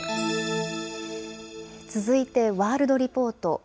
続いてワールドリポート。